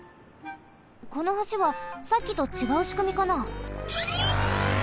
この橋はさっきとちがうしくみかな？